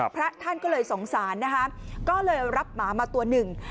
พระท่านก็เลยสงสารนะคะก็เลยรับหมามาตัวหนึ่ง